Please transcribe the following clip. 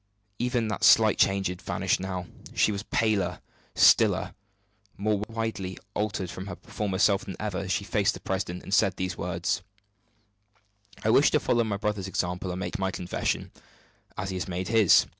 Even that slight change had vanished now she was paler, stiller, more widely altered from her former self than ever, as she faced the president and said these words: "I wish to follow my brother's example and make my confession, as he has made his.